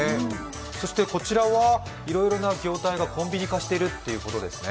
そしてこちらはいろいろな業態がコンビニ化しているということですね。